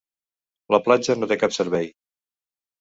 La platja no té cap servei.